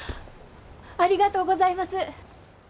ありがとうございます！